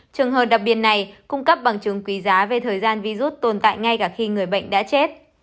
trường hợp đặc biệt này cung cấp bằng chứng quý giá về thời gian virus tồn tại ngay cả khi người bệnh đã chết